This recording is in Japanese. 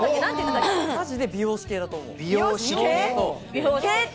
マジで美容師系だと思う。